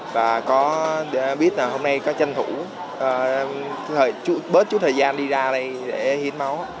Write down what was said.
và có biết là hôm nay có tranh thủ bớt chút thời gian đi ra đây để hiến máu